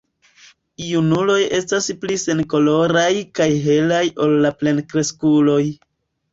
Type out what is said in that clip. Junuloj estas pli senkoloraj kaj helaj ol la plenkreskuloj.